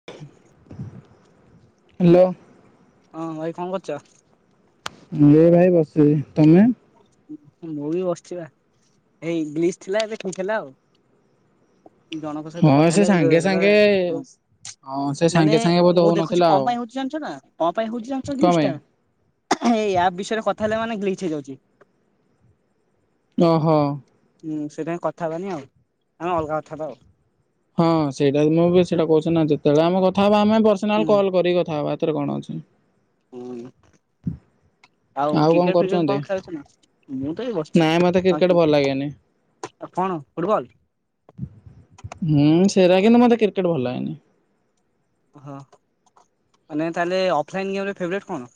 [unintelligible] Hello ହଁ, ଭାଇ କଣ କର୍ଚ। ମୁଁ ଏ ଭାଇ ବସିଛି ତମେ ମୁଁ ବି ବସ୍ଚିବା ଏଇ ଗ୍ଲିଶ୍ ଥିଲା ଏବେ ଠିକ୍ ହେଲା ଆଉ। ଜଣଙ୍କ ସହିତ ହଁ କଥା ସେ ହେଲେ ସାଙ୍ଗେ ସାଙ୍ଗେ [unintelligible] ହଁ ସେ ସାଙ୍ଗେ ମାନେ ସାଙ୍ଗେ ବୋଧେ ମୁଁ ହଉନଥିଲା ଦେଖୁଛି ଆଉ କଣ ପାଇଁ ହଉଛି ଜାଣିଛ ନା କଣ ପାଇଁ ହଉଛି ଜାଣିଛ କଣ ଗ୍ଲିସ୍ ପାଇଁ ଟା। ଏଇ ଆପ ବିଷୟରେ କଥା ହେଲେ ମାନେ ଗ୍ଲିଚ ହେଇ ଯାଉଚି। ଓହୋ। ହୁଁ, ସେଇଟା ହିଁ କଥା ହେବାନି ଆଉ ଆମେ ଅଲଗା କଥା ହେବା ଆଉ। ହଁ ସେଇଟା ମୁଁ ବି ସେଇଟା କହୁଛେ ନା ଯେତବେଳେ ଆମ କଥା ହବା ଆମେ ହୁଁ ପର୍ସନାଲ କଲ୍ କରିକି କଥା ହବା ହେଥିରେ କଣ ଅଛି। ହୁଁ। ଆଉ କଣ କ୍ରିକେଟ୍ ଫ୍ରିକେଟ କରୁଛନ୍ତି କଣ ଖେଳଛୁ ନା ମୁଁ ତ ଏଇ ବସିଛି ନାଇଁ ମତେ କ୍ରିକେଟ ଭଲ [unintelligible] ଲାଗେନି ଆଉ କଣ? ଫୁଟବଲ୍। ହୁଁ ସେଇରା କିନ୍ତୁ ମତେ କ୍ରିକେଟ୍ ଭଲ ଲାଗେନି। ଓ ହୋ ମାନେ ତାହେଲେ ଅଫ୍ ଲାଇନ୍ ଗେମ୍ ରେ ଫେବ୍ରାଇଟ କଣ?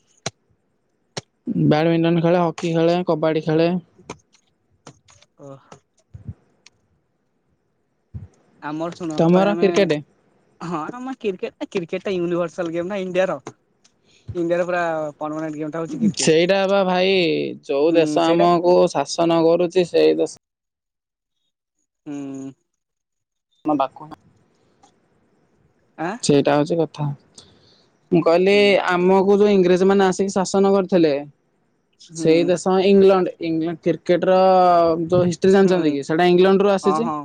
ବ୍ୟାଡ଼ମିଣ୍ଟନ ଖେଳେ, ହକି ଖେଳେ, କବାଡ଼ି ଖେଳେ। ଓହୋ। ଆମର ଶୁଣ ତମର ଥରେ ଆମେ କ୍ରିକେଟ ହଁ ଆମ କ୍ରିକେଟ ଏ କ୍ରିକେଟ ଟା ୟୁନିଭର୍ଶାଲ ଗେମ୍ ନା ଇଣ୍ଡିଆ ର। ଇଣ୍ଡିଆ ର ପୁରା ପର୍ମାନେଟ ଗେମ୍। ଟା ହଉଛି କ୍ରିକେଟ ସେଇଟା ପା ଭାଇ ଯୋଉ ହୁଁ ଦେଶ ସେଇଟା ଆମକୁ ଶାସନ କରୁଚି ସେଇ ଦେଶ ହୁଁ। [unintelligible] ଆଁ ସେଇଟା ହଉଚି କଥା ମୁଁ କଇଲି ହୁଁ ଆମ କୁ ଯୋଉ ଇଂରେଜ ମାନେ ଆସିକି ଶାସନ କରିଥିଲେ ହୁଁ ସେଇ ଦେଶ ହଁ ଇଂଲଣ୍ଡ ଇଂଲଣ୍ଡ କ୍ରିକେଟ ର ଯୋଉ ହିସ୍ ଷ୍ଟ୍ରି ଜାଣିଚନ୍ତି ହୁଁ କି ସେଟା ଇଂଲଣ୍ଡରୁୁ ହଁ ଆସିଚି। ହଁ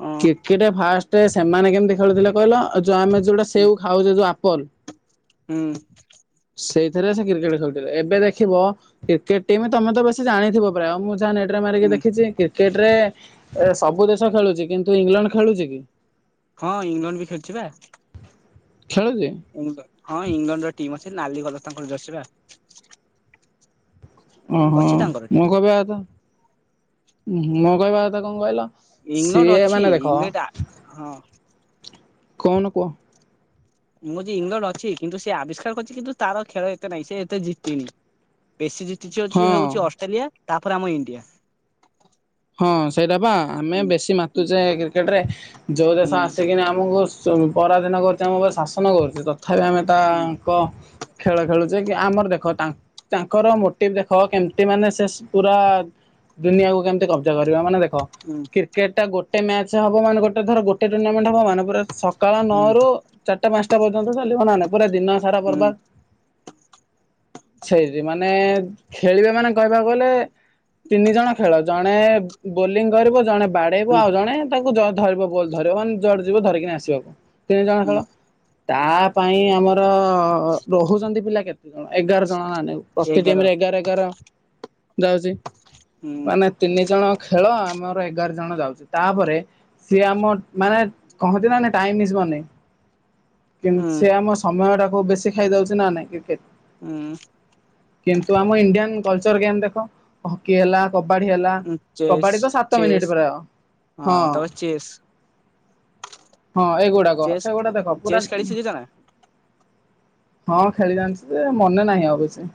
ହଁ କ୍ରି ସେଇଟା ଫାଷ୍ଟ ସେମାନେ କେମିତି ଖେଳୁଥିଲେ କଇଲ ଯଉ ଆମେ ଯୋଉଟା ସେଉ ଖାଉଚେ ଯୋଉ ଅପୋଲ ହୁଁ। ସେଇଥିରେ ସେ କ୍ରିକେଟ ଖେଳୁଥିଲେ ଏବେ ଦେଖିବ କ୍ରିକେଟ୍ ଟିମ୍ ତମେ ତ ବେଶୀ ଜାଣିଥିବ ପ୍ରାୟ ଆଉ ମୁଁ ଯାହା ନେ ହୁଁ ମାରିକି ଦେଖିଚି କ୍ରିକେଟ ରେ ସବୁ ଦେଶ ଖେଳୁଚି କିନ୍ତୁ ଇଂଲଣ୍ଡ ଖେଳୁଚି କି? ହଁ ଇଂଲଣ୍ଡ ବି ଖେଳୁଚି ପା। ଖେଳୁଚି। ହଁ ଇଂଲଣ୍ଡ ର ଟିମ୍ ଅଛି। ନାଲି କଲର୍ ତାଙ୍କର ଜର୍ସି ପା। ଓ ହଁ ଅଛି ତାଙ୍କର ଟିମ୍ ମୋ କଇବା କଥା ମୋ କଇବା କଥା କଣ କଇଲ? ଇଂଲଣ୍ଡ ଅଛି [unintelligible] ହଁ। କଉନ କୁଅ। ମୁଁ ହଉଚି ଇଂଲଣ୍ଡ ଅଛି କିନ୍ତୁ ସେ ଆବିଷ୍କାର କରିଚି କିନ୍ତୁ ତାର ଖେଳ ଏତେ ନାହିଁ ସେ ଏତେ ଜିତିନି। ବେଶୀ ଜିତିଚି ହଁ ଅଛି ହେଉଛି ଅଷ୍ଟ୍ରେଲିଆ ତାପରେ ଆମ ଇଣ୍ଡିଆ। ହଁ ସେଇଟା ପା ଆମେ ହୁଁ ବେଶୀ ହୁଁ ମାତୁଚେ କ୍ରିକେଟ୍ ରେ ଯଉ ଦେଶ ଆସିକିନି ଆମକୁ ଶୋଇମୁ ପରାଧିନ କରୁଚି ଆମୁକୁ ପା ଶାସନ କରୁଚି ତଥାପି ଆମେ ତା ହୁଁ କ ଖେଳ ଖେଳୁଚେ କି ଆମର ଦେଖ ତା ତାଙ୍କର ମୋଟିଭ ଦେଖ କେମିତି ମାନେ ସେ ପୁରା ଦୁନିଆକୁ କେମିତି କ କରିବ ମାନେ ଦେଖ ହୁଁ। କ୍ରିକେଟା ଗୋଟେ ମ୍ୟାଚ ହବ ମାନେ ଗୋଟେ ଧର ଗୋଟେ ଟୁଣ୍ଣାମେଣ୍ଟ ହବ ମାନେ ପୁରା ସ କାଳ ନଅ ହୁଁ ରୁ ଚାରିଟା ପାନ୍ ସଟା ପର୍ଯ୍ୟନ୍ତ ଚାଲିିବ ନ ହେନେ ପୁରା ଦିନ ସାରା ହୁଁ ବରବାଦ। [unintelligible] ମାନେ ଖେଳିବେ ମାନେ କହିବାକୁ ଗଲେ ତିନି ଜଣ ଖେଳ ଜଣେ ବୋଲିଂ କରିବ ଜଣେ ବାଡେଇବ ହୁଁ ଆଉ ଜଣେ ତାକୁ ଜ ଧରିବ ବଲ୍ ଧରିବ ମାନେ ଜୁଆଡୁ ଯିବ ଧରିକିନି ଆସିବ ତିନି ଜଣ ହୁଁ ଖେଳ। ତା ପାଇଁ ଆମର ରହୁଚନ୍ତି ପିଲା କେ ଏଗାର ଜଣ ନା ନାଇଁ ପ୍ରତି ଟିମରେ ଏଗାର ଏଗାର ଯାଉଚି ହୁଁ ମାନେ ତିନି ଜଣ ଖେଳ ଆମର ଏଗାର ଜଣ ଯାଉଚି ତାପରେ ସିଏ ଆମ ମାନେ କହନ୍ତି ନା ନାଇଁ ଟାଇମ୍ ମିଶିବନି [unintelligible] କି ସେ ଆମ ସମୟ ଟାକୁ ବେଶୀ ଖାଇଦଉଚି ନା ନାଇଁ କ୍ରିକେଟ। ହୁଁ। କିନ୍ତୁ ଆମ ଇଣ୍ଡିଆନ କଲଚର ଗେମ ଦେଖ ହକି ହେଲା କବାଡି ହେଲା। ଚେସ୍ କବାଡି ତ ସାତ ଚେସ୍ ମିନିଟ ପରେ ହବ ହଁ। ତାପରେ ଚେସ୍ ହଁ ଏଇଗୁଡାକ ଚେସ୍ ସେଗୁଡା ଦେଖ ପୁରା ଚେସ୍ ଖେଳି ଶିଖିଛ ନା? ହଁ ଖେଳି ଯାଣିଚି ଜେ ମନେ ନାହିଁ ଆଉ କିଛି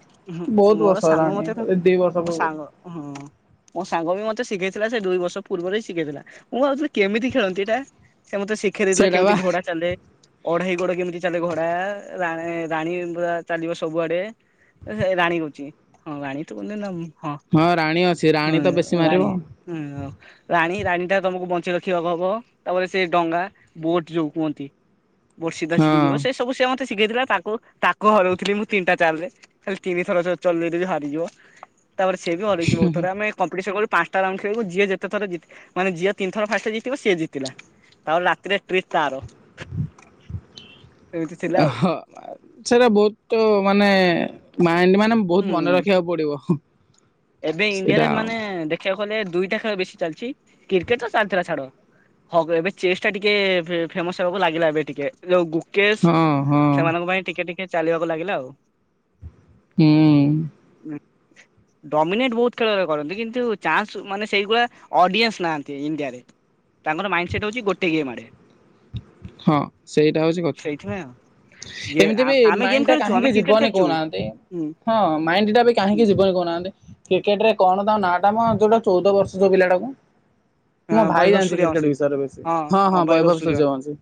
ବହୁତ ମୋର ବର୍ଷ ସାଙ୍ଗ ହେଲାଣି ମତେ ତ ଦି ବର୍ଷ ମୋ ପୂର୍ବରୁ ସାଙ୍ଗ ହଁ। ମୋ ସାଙ୍ଗ ବି ମୋତେ ଶିଖେଇଥିଲା ସେ ଦୁଇ ବର୍ଷ ପୂର୍ବରୁ ହି ଶିଖେଇଥିଲା। ମୁଁ ଭାବୁଥିଲି କେମିତି ଖେଳନ୍ତି ଏଇଟା? ସେ ମତେ ଶିଖେଇ ଦେଇଥିଲା ସେଇଟା ବା କେମିତି ଘୋଡା ଚାଲେ ଅଢେଇ ଗୋଡ କେମିତି ଚାଲେ ଘଡା ରାଣୀ ପୁରା ଚାଲିବ ସବୁଆଡେ। ଏ ସେ ରାଣୀ କହୁଚି ହଁ ରାଣୀ ତ [unintelligible] ହଁ। ହଁ ରାଣୀ ଅଛି ରାଣୀ ତ ବେଶୀ ମାରିବ। ହୁଁ ରାଣୀ ରାଣୀ ଟା ତମକୁ ବଞ୍ଚି ରଖିବାକୁ ହବ ତାପରେ ସେ ଡଙ୍ଗା ବୋଟ ଯୋଉ କୁହନ୍ତି। ବୋଟ ସିଧା ସିଧି ଯିବ ସେ ସବୁ ସେ ମତେ ଶିଖେଇଥିଲା ତାକୁ ତାକୁ ହରଉଥିଲି ମୁଁ ତିନିଟା ଚାଲ ରେ। ଖାଲି ତିନିଥର ଚଲେଇ ଦେବି ହାରିଯିବ ତାପରେ ସିଏବି ହରେଇଚି ବହୁତ ଥର। ଆମେ କମ୍ପିଟିସନ କରିକି ପାଞ୍ଚଟା ରାଉଣ୍ଡ ଖେଳିବୁ ଯିଏ ଯେତ ଥର ମାନେ ଯିଏ ତିିନି ଥର ଫାଷ୍ଟେ ଜିତିବ ସେ ଜିତିଲା। ଆଉ ରାତିରେ ଟ୍ରିଟ ତାର। ଏମିତି ଥିଲା ଆଉ। ଅହଃ ସେଟା ବହୁତ ମାନେ ମାଇଣ୍ଡ ମାନେ ହୁଁ ବହୁତ ମନେ ରଖିବାକୁ ପଡିବ। ଏବେ ସେଇଟା ଇଣ୍ଡିଆରେ ଆଉ ମାନେ ଦେଖିବାକୁ ଗଲେ ଦୁଇଟା ଖେଳ ବେଶୀ ଚାଲିଚି କ୍ରିକେଟ ତ ଚାଲିଥିଲା ଛାଡ। ହକ ଏବେ ଚେସ୍ ଟା ଟିକେ ଫେ ଫେମସ ହେବାକୁ ଲାଗିଲା ଏବେ ଟିକେ ଯୋଉ କେସ୍ ହଁ ହଁ ଛୁଆମାନଙ୍କପାଇଁ ଟିକେ ଟିକେ ଚାଲିବାକୁ ଲାଗିଲା ଆଉ। ହୁଁ। ଡମିନେଟ ବହୁତ ଖେଳରେ କରନ୍ତି କିନ୍ତୁ ଚାନ୍ସ ମାନେ ସେଇଗୁଳା ଅଡିଏନ୍ସ ନାହାନ୍ତି ଇଣ୍ଡିଆରେ। ତାଙ୍କର ମାଇଣ୍ଡ ସେଟ ହଉଚି ଗୋଟେ ଗେମ୍ ଆଡେ। ହଁ ସେଇଟା ହଉଚି କଥା। ସେଇଥିପାଇଁ ଆଉ ଯେ ଏମିତି ବି ଆମେ ଗେମ୍ ମାଇଣ୍ଡ ଟା ଖେଳୁଛୁ ଆମେ କାହିଁକି କ୍ରିକେଟ ଯିବନି ଖେଳୁଛୁ। କହୁନାହାନ୍ତି। ହୁଁ ହଁ ମାଇଣ୍ଡ ଟା ବି ହୁଁ କାହିଁକି ଜୀବନି କହୁନାହାନ୍ତି? କ୍ରିକେଟ ରେ କଣ ତାନାଁ ଟା ମ ଯୋଉଟା ଚଉଦ ବର୍ଷ ଯୋଉ ପିଲାଟାକୁ? ମୋ ଭାଇ ବୈଭବ ଜାଣିଛି ସୂର୍ଯ୍ୟବଂଶୀ କ୍ରିକେଟ ବିଷୟରେ ବେଶୀ ହଁ ହଁ ବୈଭବ ସୂଯ୍ୟ ବଶିଂ।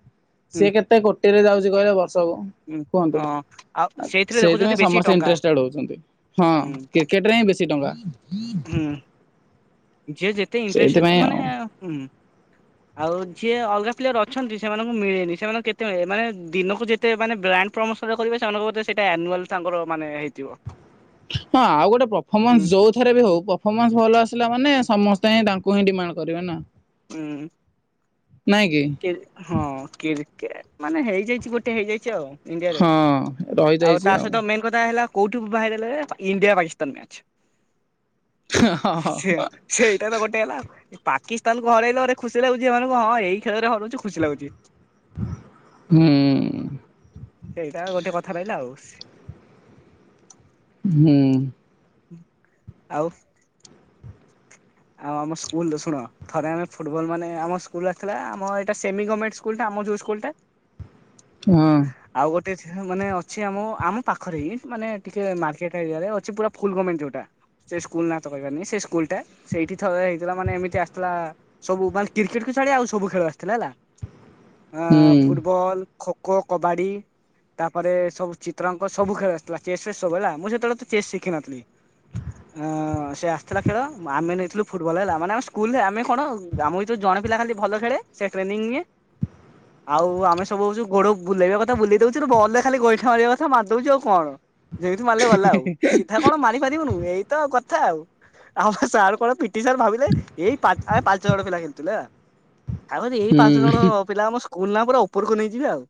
ହୁଁ ସିଏ କେତେ କୋଟିରେ ଯାଉଚି କହିଲେ ବର୍ଷକୁ ହୁଁ କୁହନ୍ତୁ? ହଁ ଆଉ ସେଇଥିରେ ଦେଖୁଛନ୍ତି ସେଇଥିପାଇଁ ବେଶୀ ସମସ୍ତେ ଟଙ୍କା ଇଣ୍ଟଷ୍ଟେଡ ହଉଚନ୍ତି। ହଁ ହୁଁ କ୍ରିକେଟରେ ହିଁ ବେଶୀ ଟଙ୍କା। ହୁଁ ଯିଏ ଯେତେ ଇଣ୍ଟରେଷ୍ଟ ହେଲା ସେଇଥିପାଇଁ ଆଉ। ମାନେ ହୁଁ। ଆଉ ଯିଏ ଅଲଗା ପ୍ଲେୟର ଅଛନ୍ତି ସେମାନଙ୍କୁ ମିଳେନି ସେମାନଙ୍କୁ କେତେ ମିଳେ ମାନେ ଦିନକୁ ଯେ ତେ ମାନେ ବ୍ରାଣ୍ଡ ପ୍ରମୋସନ କରିବେ ସେମାନଙ୍କୁ ସେଇଟା ଆନୁଆଲ୍ ତାଙ୍କର ମାନେ ହେଇଥିବ। ହଁ ଆଉ ଗୋଟେ ହୁଁ ପରଫମାନ୍ସ ଯୋଉ ଥରେ ବି ହଉ ପରଫମାନ୍ସ ଭଲ ଆସିଲା ମାନେ ସମସ୍ତେ ହିଁ ତା ଙ୍କୁ ହିଁ ଡିମାଣ୍ଡ କରିବେ ନା। ହୁଁ। ନାଇଁ କି କେ ହଁ କ୍ରିକେଟ ମାନେ ହେଇଯାଇଚି ଗୋଟେ ହେଇଯାଇଚି ଆଉ। ଇଣ୍ଡିଆରେ ହଁ ଆଉ ରହିଯାଇଛି ତା ସହିତ ମେନ୍ କଥା ହେଲା କୋଉଠୁ ଭାଇରାଲ ଏ ଇଣ୍ଡିଆ ପାକିସ୍ତାନ ମ୍ୟାଚ ସେ ସେଇଟା ତ ଗୋଟେ ହେଲ ଆଉ। ପାକି ସ୍ଥାନ କୁ ହରେଇଲା ପରେ ଖୁସି ଲାଗୁଚି ଏମାନଙ୍କୁ ହଁ ଏଇ ଖେଳରେ ହରଉଚି ଖୁସି ଲାଗୁଚି। ହୁଁ। ସେଇଟା ଗୋଟେ କଥା ରହିଲା ଆଉ। ହୁଁ। ଆଉ ଆଉ ଆମ ସ୍କୁଲରେ ଶୁଣ। ଥରେ ଆମେ ଫୁଟବଲ ମାନେ ଆମ ସ୍କୁଲ ଆସିଥିଲା ଆମ ଏଇଟା ସେମି ଗମେଣ୍ଟ ସ୍କୁଲଟା ଆମ ଯୋଉ ସ୍କୁଲଟା। ହଁ। ଆଉ ଗୋଟେ ମାନେ ଅଛି ଆମ ଆମ ପାଖରେ ମାନେ ଟିକେ ମାର୍କେଟ୍ ଏରିଆରେ ଅଛି ପୁରା ଫୁଲ୍ ଗମ ଯଉଟା। ସେ ସ୍କୁଲ ନାଁ ତ କହିବାନି ସେ ସ୍କୁଲ ଟା ସେଇଠି ଥରେ ହେଇଥିଲା ମାନେ ଏମିତି ଆସିଥିଲା ସବୁ ମାନେ କ୍ରିକେଟ କୁ ଛାଡି ଆଉ ସବୁ ଖେଳ ଆସିଥିଲା ହେଲା। ଆ ହୁଁ ଫୁଟବଲ, ଖୋ ଖୋ କବାଡି ତାପରେ ସବୁ ଚିତ୍ରାଙ୍କ ସବୁ ଖେଳ ଆସିଥିଲା, ଚେସ ରେ ସବୁ ହେଲା ମୁଁ ସେତେବେଳେ ତ ଚେସ୍ ଶିଖିିନଥିଲି। ଅ ସେ ଆସିଥିଲା ଖେଳ। ଆମେ ନେଇଥିଲୁ ଫୁଟବଲ ହେଲା ମାନେ ଆମ ସ୍କୁଲରେ ଆମେ କଣ ଆମ ଭିତରୁ ଜଣେ ପିଲା ଖାଲି ଭଲ ଖେଳେ ସେ ଟ୍ରେନିଂ ନିଏ। ଆଉ ଆମେ ସବୁୁ ଗୋଡ ବୁଲେଇବା କଥା ବୁଲେଇ ଦଉଛୁ ବଲ ରେ ଖାଲି ଗୋଇଠା ମାରିବା କଥା ମାରି ଦଉୁ ଆଉ କଣ। ଯେମିତି ମାରିଲେ ଗଲା ଆଉ ସିଧା କଣ ମାରି ପାରିବୁନୁ? ଏଇତ କଥା ଆଉ। ଆମ ସେ ସାର କଣ ପି ଟି ସାର୍ ଭାବିଲେ ଏଇ ପା ଆମେ ପାଞ୍ଚ ଜଣ ପିଲା ଖେଳୁଥିଲୁ ହେଲା, ଆମେ ଏଇ ହୁଁ ପାଞ୍ଚ ଜଣ ପିଲା ଆମ ସ୍କୁଲ ନା ପୁରା ଉପରକୁ ନେଇଯିବେ ଆଉ।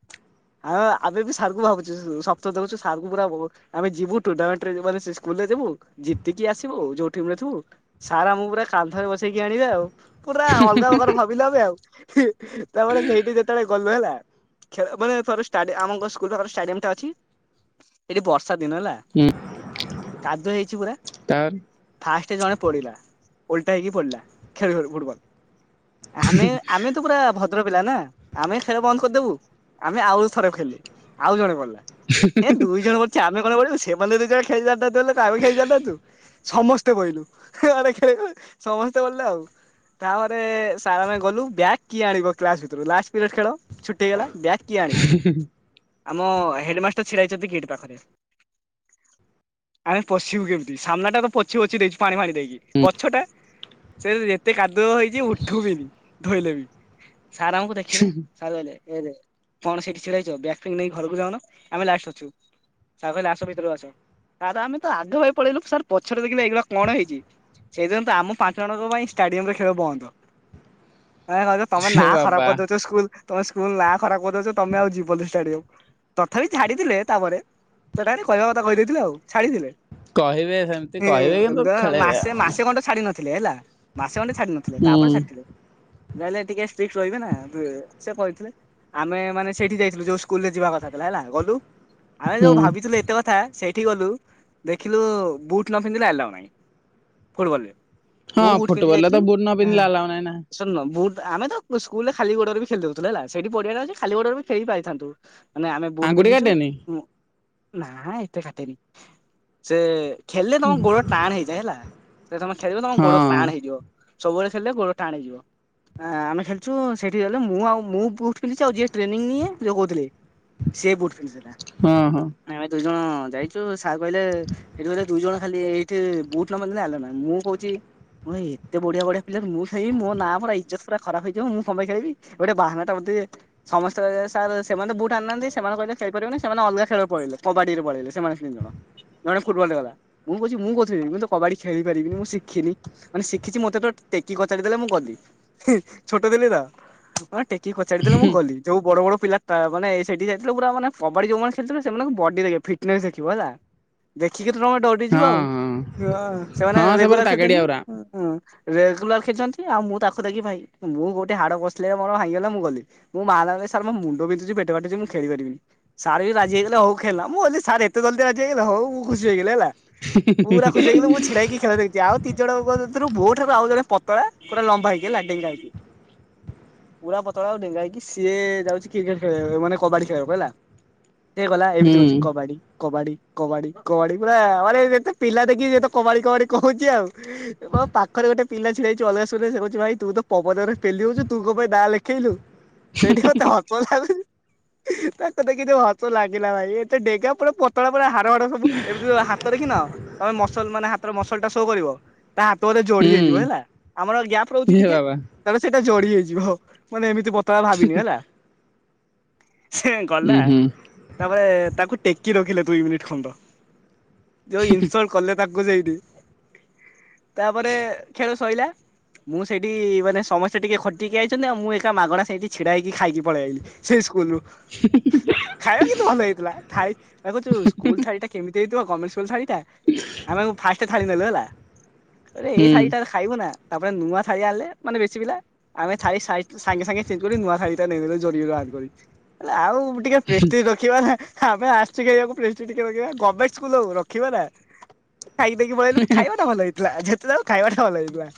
ହଁ ଆବେ ବି ସାରକୁ ଭାବୁଛୁ ସପ୍ତ ଦେଖୁଛୁ ସାର କୁ ପୁରା ବହୁ ଆମେ ଯିବୁ ଟୁର୍ଣ୍ଣାମେଣ୍ଟ ରେ ସେ ସ୍କୁଲ ରେ ଯିବୁ ଜିତିକି ଆସିବୁ ଯୋଉ ଟିମରେ ଥିବୁ। ସାର୍ ଆମକୁ ପୁରା କାନ୍ଧରେ ବସେଇକି ଆଣିବେ ଆଉ ପୁରା ଅଲଗା ପ୍ରକାର ଭାବିଲୁ ଆମେ ଆଉ। ତାପରେ ସେଇଠି ଯେତେବେଳେ ଗଲୁ ହେଲା ଖେଳ ବେଳେ ଥରେ ଷ୍ଟାଡି ଆମ ସ୍କୁଲ ର ଷ୍ଟାଡିୟମ ଟା ଅଛି, ଏଠି ବର୍ଷା ଦିନ ହେଲା ହୁଁ କାଦୁ ହେଇଛି ପୁରା, ତାପରେ ଫାଷ୍ଟ ଜଣେ ପଡିଲା ଓଲଟା ହେଇକି ପଡିଲା ଖେଳ ଫୁଟବଲ, ଆମେ ଆମେ ତ ପୁରା ଦ୍ର ପିଲା ନା ଆମେ ଖେଳ ବନ୍ଦ କରିଦେବୁ ଆମେ ଆଉ ଥରେ ଖେଳିଲେ, ଆଉ ଜଣେ ପଡିଲା। ଏ ଦୁଇ ଜଣ ପଢୁଛି ଆମେ କଣ ପଡିଲୁ ସେମାନେ ଦୁଇ ଜଣ ଖେଳିଲା ଜାଣିଥା ଆମେ କାଇଁ ଖେଳି ଥାନ୍ତୁ। ସମସ୍ତେ ପଇଲୁ କିଏ ଆଡେ ଖେଳିଲେ ସମସ୍ତେ ପଡିଲେ ଆଉ। ତାପରେ ସାର୍ ଆମେ ଗଲୁ ବ୍ୟାଗ କିଏ ଆଣିବ କ୍ଲାସ ଭିତରୁ ଲାଷ୍ଟ ପିରିୟଡ ଖେଳ। ଛୁଟି ହେଇଗଲା ବ୍ୟାଗ୍ କିଏ ଆଣିବ? ଆମ ହେଡମାଷ୍ଟର ଛିଡା ହେଇଛନ୍ତି ଗେଟ ପାଖରେ। ଆମେ ପଶିବୁ କେମିତି ସାମ୍ନା ଟା ତ ପଛି ପଛି ଦେଇଛୁ। ପାଣି ଫାଣି ଦେଇକି ପଛ ଟା ସେ ଯେତେ କାଦୁଅ ହେଇଛି ଉଠୁ ବିନି ଧୋଇଲେ ବି। ସାର୍ ଆମକୁ ଦେଖିଲେ। ସାର୍ କହିଲେ ଏରେ କଣ ସେଇଠି ଛିଡା ହେଇଚ ବ୍ୟାକ୍ ଫ୍ୟାକ ନେଇ ଘରକୁ ଯାଉନ, ଆମେ ଲାଷ୍ଟ ଅଛୁ। ସାର୍ କହିଲେ ଆସ ଭିତରକୁ ଆସ ତାଲେ ଆମେ ତ ଆଗ ଭାଇ ପଳେଇଲୁ ସାର୍ ପଛରେ ଦେଖିଲି ଏଗୁରା କଣ ହେଇଛି ସେଇଦିନତ ଆମ ପାଞ୍ଚ ଜଣଙ୍କ ପାଇଁ ଷ୍ଟାଡିୟମରେ ଖେଳ ବନ୍ଦ। ଏ କଣ ତମେ ନାଁ ଖରାପ ବାବା କରିଦଉଛ ସ୍କୁଲ ତମେ ସ୍କୁଲ ନାଁ ଖରାପ କରିଦଉଛ ତମେ ଆଉ ଯିବନି ଷ୍ଟାଡିୟମ, ତଥାପି ଛାଡିଥିଲେ ତାପରେ। ସେଟା ଗୋଟେ କହିବା କଥା କହିଦେଇଥିଲେ ଆଉ ଛାଡିଥିଲେ, କହିବେ ସେମିତି ହେ। କହିବେ କିନ୍ତୁ ସେପୁରା ଖେଳେଇବେ ମାସେ ଆଉ ମାସେ ଖଣ୍ଡେ ଛାଡି ନଥିଲେ, ହେଲା ମାସେ ଖଣ୍ଡେ ଛାଡି ନଥିଲେ, ହୁଁ ତାପରେ ଛାଡିଥିଲେ। ନାଇ ନାଇ ଟିକେ ଷ୍ଟ୍ରିଟ ରହିବେ ନା ତୁ ସେ କହିଥିଲେ। ଆମେ ମାନେ ସେଇଠି ଯାଇଥିଲୁ ଯୋଉ ସ୍କୁଲରେ ଯିବା କଥା ଥିଲା ହେଲା, ଗଲୁ। ଆମେ ହୁଁ ଯୋଉ ଭାବିଥିଲୁ ଏତେ କଥା ସେଇଠି ଗଲୁ ଦେଖିଲୁ ବୁଟ ନ ପିନ୍ଧିଲେ ଆଲାଉ ନାହିଁ। ଫୁଟବଲରେ। ହଁ ମୁଁ ଫୁଟବଲରେ ତ ବୁଟ ନ ପିନ୍ଧିଲେ ଆଲଉ ନାହିଁ ନା। ସନ୍ ନବୁ ତ ଆମେ ତ ସ୍କୁଲରେ ଖାଲି ଗୋଡ଼ରେ ବି ଖେଳି ଦଉଥିଲୁ ହେଲା ସେଇଠି ପଡିଆ ଅଛି, ଖାଲି ଗୋଡ଼ରେ ବି ଖେଳି ପାରିଥାନ୍ତୁ। ଆମେ ଆମେ ବୁଟ ଆଙ୍ଗୁଠି ପିନ୍ଧିଛୁ, କାଟେନି ନା ଏତେ କାଟେନି, ସେ ଖେଳିଲେ ତମ ଗୋଡ ଟାଣ ହେଇଯାଏ ହେଲା, ଯଦି ତମେ ଖେଳିବ ତମ ଗୋଡ ହଁ ଟାଣ ହେଇଯିବ। ସବୁବେଳେ ଖେଳିଲେ ଗୋଡ ଟାଣ ହେଇଯିବ। ଆ ଆମେ ଖେଳଛୁ ସେଠି ଗଲେ ମୁଁ ଆଉ ମୁଁ ବୁଟ ପିନ୍ଧିଛି, ଆଉ ଯିଏ ଟ୍ରେନିଂ ନିଏ ଯୋଉ କହୁଥିଲି। ସିଏ ବୁଟ ପିନ୍ଧିଥିଲା, ହଁ ହଁ ଆମେ ଦୁଇ ଜଣ ଯାଇ ଯୋଉ ସାର୍ କହିଲେ ଏଠି ବୋଧେ ଦୁଇ ଜଣ ଖାଲି ଏଇଠି ବୁଟ ନପିନ୍ଧିଲେ ଆଲାଉ ନାହିଁ, ମୁଁ କହୁଛି ମୁଁ ଏତେ ବଢିଆ ବଢିଆ ପିଲାର ମୁଁ ଖେଳିବି, ମୋ ନାଁ ପୁରା ଇଜତପୁରା ଖରାପ ହେଇଯିବ, ମୁଁ କଣପାଇ ଖେଳିବି। ଗୋଟେ ବାହାନାଟା ମୋତେ ସମସ୍ତେ ସାର୍ ସେମାନେ ତ ବୁଟ ଆଣିନାହାନ୍ତି ସେମାନେ କହିଲେ ସମସ୍ତେ ସାର କହିଲେ ଖେଳି ପାରିବନି ସେମାନେ ଅଲଗା ଖେଳ ପଳେଇଲେ, କବାଡିରେ ପଳେଇଲେ, ସେମାନେ ତିନି ଜଣ। ଜଣେ ଫୁଟବଲ ଗଲା, ମୁଁ କହୁଛି ମୁଁ କହୁ ମୁଁ କବାଡ଼ି ଖେଳି ପାରିବିନି, ମୁଁ ଶିଖିନି ମାନେ ଶିଖିଛି, ମତେ ତ ଟେକି କଚାଡି ଦେଲେ ମୁଁ ଗଲି। ଛୋଟ ଥିଲି ତ, ହ ଟେକି କଚାଡିଦେଲେ ମୁଁ ଗଲି। ଯୋଉ ବଡ ବଡ଼ ପିଲା ମାନେ ସେଇଠି ଉ ବଡ ବଡ ପିଲା ଯାଇଥିଲେ ପୁରା ମାନେ କବାଡ଼ି ଯେଉଁମାନେ ଖେଳୁଥିଲେ, ତାଙ୍କ ବଡି ଦେଖିବ, ଫିଟନେସ ଦେଖିବ ହେଲା। ଦେଖିକି ତ ତମେ ଡରି ହଁ ଯିବ, ହଁ ଆଉ ସେମାନେ ହଁ ସେ ପରା ରେଗୁଲାର ତାଗାଡିଆ ଖେଳିଛନ୍ତି! ଗୁରା ହୁଁ ରେଗୁଲାର ଖେଳୁଛନ୍ତି, ଆଉ ମୁଁ ତାକୁ ଦେଖି ଭାଇ ମୁଁ ଗୋଟେ ହାଡ଼ ଖସିଲା ମୋର ଭାଙ୍ଗିଗଲା ମୁଁ ଗଲି। ମୁଁ ବାହାନାରେ ସାର୍ ମୋ ମୁଣ୍ଡ ବିନ୍ଧୁଛି, ପେଟ କାଟୁଛି, ମୁଁ ଖେଳି ପାରିବିନି! ସାର୍ ବି ରାଜି ହେଇଗଲେ ହଉ ଖେଳ ନା ହେଲା, ମୁଁ କହିଲି ସାର୍ ଏତେ ଜଲଦି ରାଜି ହେଇଗଲେ, ହଉ ମୁଁ ଖୁସି ହେଇଗଲି। ହେଲା ପୁରା ଖୁସି ହେଇିଗଲି, ମୁଁ ଛିଡା ହେଇକି ଖେଳ ଦେଖିଲି ଆଉ। ଦି ଜଣଙ୍କ ଭିତରୁ ମୋ ଠାରୁ ଆଉ ଜଣେ ପତଳା ପୁରା ଲମ୍ବା ହେଇକି, ହେଲା ଡେଙ୍ଗା ହେଇି କି! ପୁରା ପତଳା ଆଉ ଡେଙ୍ଗା ହେଇକି ସିଏ ଯାଉଛି କ୍ରିକେଟ ଖେଳିବାକୁ, ମାନେ କବାଡି ଖେଳିବାକୁ, ହେଲା। ସେ ଗଲା ଏମିତି ହୁଁ କହୁଛି କବାଡି, କବାଡି, କବାଡି, କବାଡି ପୁରା ମାନେ ପିଲା ଦେଖିଲେ ଏ ତ କବାଡି କବାଡି କହୁଛି ଆଉ। ପାଖରେ ଗୋଟେ ପିଲାଛିଡା ହେଇଛି ଅଲଗା ସ୍ୱରରେ ସେ କହୁଛି ଭାଇ ତୁ ତ ପବନରେ ପେଲି ହଉଛୁ ତୁ କଁ ପାଇଁ ନାଁ ଲେଖେଇଲୁ। ସେଇଠି ହ ତ ହ [inaudible] ତାକୁ ଦେଖି ଯୋଉ ହସ ଲାଗିଲା ଭାଇ ଏତେ ଡେଙ୍ଗା ପୁରା ପତଳା। ତ ହାଡଗୋଡ଼ ସବୁ ଏମତି ହାତ ଦେଖି ନା ତମେ ମସଲ ମାନେ ହାତର ମସଲଟା ଶୋ କରିବ ତା ହାତ ବୋଧେ ଜୋଡି ହେଇଯିବ ହେଲା, ହୁଁ ଆମର ଗ୍ୟାପ୍ ରହୁଛି ହେ ଟିକେ ବାବା ତାପରେ ସେଟା ଜୋଡି ହେଇଯିବ ଆଉ ମାନେ ଏମିତି ପତଳା ଭାବିନିଅ ହେଲା। ସେ ଗଲା। ଉଁ ହୁଁ ତାପରେ ତାକୁ ଟେକି ରଖିଲେ ଦୁଇ ମିନିଟ ଖଣ୍ଡ ଯୋଉ ଇନସଲ୍ଟ କଲେ ତାଙ୍କୁ ସେଇଠି ତାପରେ ଖେଳ ସୋଇଲା। ମୁଁ ସେଇଠି ମାନେ ସମସ୍ତେ ଟିକେ ଖଟିକି ଆଇଛନ୍ତି ଆଉ ମୁଁ ଏକା ମାଗଣା ସେଇଠି ଛିଡା ହେଇକି ଖାଇକି ପଳେଇ ଆଇଲି। ସେଇ ସ୍କୁଲରୁ ଖାଇବା କିନ୍ତୁ ଭଲ ହେଇଥିଲା ଥାଳି ଦେଖୁଛୁ ସ୍କୁଲ ଥାଳିଟା କେମିତି ହେ ଗମେଣ୍ଟ ସ୍କୁଲ ଥାଳିଟା ଆମ ଫାଷ୍ଟ ଥାଳି ନେଲୁ ହେଲା ଏ ହୁଁ ଥାଳିଟା ଖାଇବୁ ନା ତାପରେ ନୁଆ ଥାଳି ଆଣିଲ ମାନେ ବେଶି ପିଲା ଆମେ ଥାଳି ସାଙ୍ଗେ ସାଙ୍ଗେ ଚେଞ୍ଜ କରି ନୂଆ ଥାାଳିଟା ନେଇଗଲୁ ଜରିରୁ ବାହାର କରି ହେଲେ ଆଉ ଟିକେ ପ୍ରେଷ୍ଟିଜ ରଖିବା ନା ଆମେ ଆସୁଚୁ ଖେଳିବାକୁ ପ୍ରେଷ୍ଟିଜ ଟିକେ ରଖିବା ଗର୍ଣମେଣ୍ଟ ସ୍କୁଲ ହଉ ରଖିବା ନା। ଖାଇ ଦେଇକି ପଳେଇଲୁ ଖାଇବାଟା ଭଲ ହେଇଥିଲା ଯେତେ ଯା ଖାଇବାଟା ଭଲ ହେଇଥିଲା।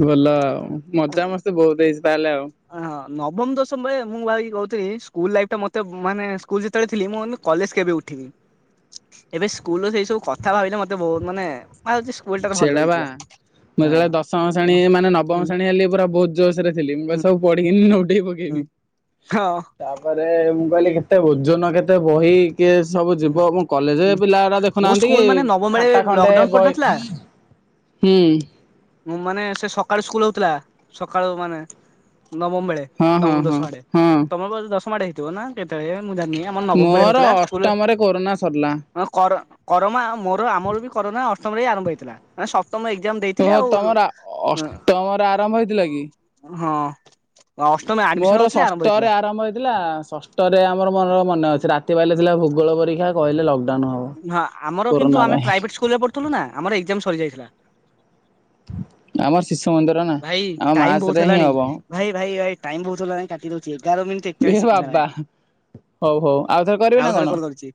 ଭଲ ଆଉ ମଜା ମସ୍ତି ବହୁତ ହେଇଛି ତାହେଲେ ଆଉ। ଅ ହଁ ନବମ ଦଶମ ବେଳେ ମୁଁ ଭାଇ କହୁଥିଲି ସ୍କୁଲ ଲାଇଫ୍ ଟା ମତେ ମାନେ ସ୍କୁଲ ଯେତେବେଳେ ଥିଲ ମୁଁ କଲେଜ କେବେ ଉଠିବି ଏବେ ସ୍କୁଲର ସେଇ ସବୁକଥା ଭାବିଲେ ମତେ ବହୁତ ମାନେ ଭଛି ସେଇଟା ବା ମୁଁ ଯେତେବେଳେ ଦଶମ ହଁ। ଶ୍ରେଣୀ ଉଁ ମାନେ ନବମ ଶ୍ରେଣୀ ହେଲି ପୁରା ବହୁତ ଜୋସରେ ଥିଲି। ମୁଁ ଉଁ ସବୁ ପଢିକିନି ନଉଟଇ ପକେଇବି। ଉଁ ହଁ ତାପରେ ମୁଁ କହିଲି କେତେ ଓଜନ କେତେ ବହି। କିଏ ସବୁ ଉଁ ଯିବ। ମୁ କଲେଜ ଉଁ ପିଲା ଗୁଡା ମୁଁ ଦେଖୁନାହାନ୍ତି କି ସ୍କୁଲ ମାନେ ନବମ ବେଳେ ଖାତା ଖଣ୍ଡେ ବହି ହୁଁ [unintelligible] ମାନେ ସେ ସକାଳୁ ସ୍କୁଲ ହଉଥିଲା। ସକାଳୁ ମାନେ ନବମ ବେଳେ। ହଁ ହଁ ନବମ ହଁ ଦଶମ ଆଡେ। ହଁ ତମର ଦଶମ ଆଡେ କେତେବେଳେ ମୁଁ ଜାଣିନି। ଆମର ନବମ ବେଳେ ମୋର ହଉଥିଲା ସ୍କୁଲ। ଅଷ୍ଟମରେ କୋରୋନା ସରିଲା। ହ କର କରୋମା ମୋର ଆମର ବି କରୋନା ଅଷ୍ଟମରେ ହିଁ ଆରମ୍ଭ ହେଇଥିଲା। ତମ ଏଗ୍ଜାମ୍ ଦେଇଥିଲି। ଓହୋ ଆଉ ତମର ଅଷ୍ଟମରେ ଆରମ୍ଭ ହେଇଥିଲା କି? ହଁ ହଁ ଅଷ୍ଟମ ଆଡମିସନ ମୋର କରିଥିଲି ଆରମ୍ଭ ଷଷ୍ଠରେ ହେଇଥିଲା। ଆରମ୍ଭ ହେଇଥିଲା। ଷଷ୍ଠ ରେ ଆମର ମନର ମନେ ଅଛି। ରାତି ପାଇଲେ ଥିଲା ଭୂଗୋଳ ପରୀକ୍ଷା। କହିଲେ ଲକଡାଉନ୍ ହେବ। କୋରୋନା ପାଇଁ। ଥିଲୁ ନା ଆମର ଏକ୍ଜାମ ସରିଯାଇଥିଲା। ଆମର ଶିଶୁ ମନ୍ଦିର ନା। ଭାଇ ଆମ ଟାଇମ ମାର୍ଚ୍ଚ ବହୁତ ରେ ହିଁ ହେଲାଣି ହବ। ଭାଇ ଭାଇ ଭାଇ ଟାଇମ ବହୁତ୍ ହେଲାଣି କାଟି ଦଉଛି, ଏଗାର ମିନ ଏ ବାବା, ହଉ ହଉ ଆଉ ଥର କରିବେ ନା ଥରେ କଲ୍ କଣ? କରୁଛି।